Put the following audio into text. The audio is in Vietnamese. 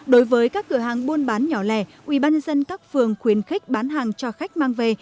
đối với các cửa hàng buôn bán nhỏ lẻ ubnd các phường khuyến khích bán hàng cho khách mang về